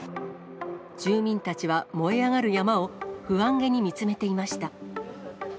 住民たちは燃え上がる山を、不安げに見つめていました。